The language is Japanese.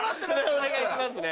お願いしますね。